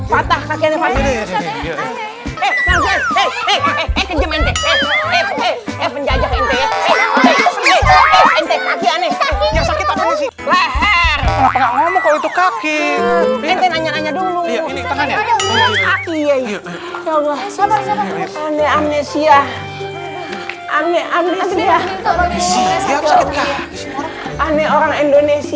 patah kaki aneh fasilis